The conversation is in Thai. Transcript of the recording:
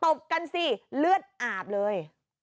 ตบกันสิเลือดอาบเลย